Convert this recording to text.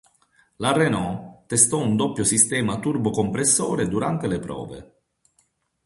La Renault testò un doppio sistema turbocompressore durante le prove.